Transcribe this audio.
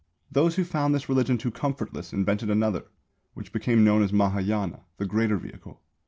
Those who found this religion too comfortless invented another, which became known as Mahāyāna, the Greater Vehicle.